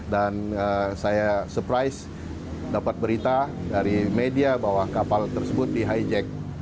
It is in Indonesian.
dan saya surprise dapat berita dari media bahwa kapal tersebut di hijack